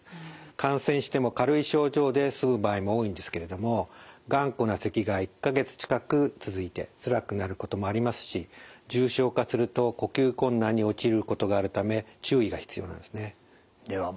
感染しても軽い症状で済む場合も多いんですけれども頑固なせきが１か月近く続いてつらくなることもありますし重症化すると呼吸困難に陥ることがあるため注意が必要なんですね。